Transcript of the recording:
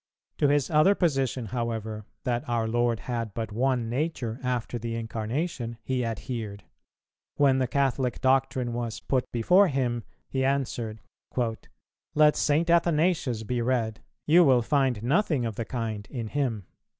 To his other position, however, that our Lord had but one nature after the Incarnation, he adhered: when the Catholic doctrine was put before him, he answered, "Let St. Athanasius be read; you will find nothing of the kind in him."